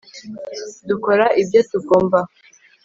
dukora ibyo tugomba